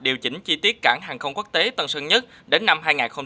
điều chỉnh chi tiết cảng hàng không quốc tế tân sơn nhất đến năm hai nghìn hai mươi